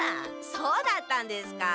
そうだったんですか。